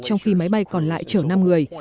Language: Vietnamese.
trong khi máy bay còn lại chở năm người